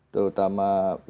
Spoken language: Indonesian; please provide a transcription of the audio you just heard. terutama yang berbahasa